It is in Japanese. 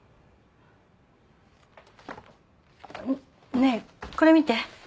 ねえこれ見て。